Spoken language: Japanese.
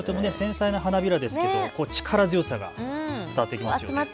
とっても繊細な花びらですけど力強さが伝わってきますね。